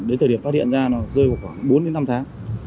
đến thời điểm phát hiện ra nó rơi vào khoảng bốn năm tháng